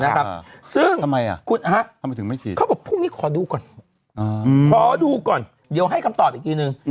ทำไมถึงไม่ฉีดเขาบอกว่าพรุ่งนี้ขอดูก่อนเดี๋ยวให้คำตอบอีกทีนึง